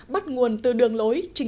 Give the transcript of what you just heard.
bắt nguồn từ đường lối